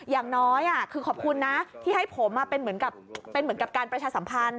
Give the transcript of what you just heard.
อย่างน้อยคือขอบคุณนะที่ให้ผมเป็นเหมือนกับเป็นเหมือนกับการประชาสัมพันธ์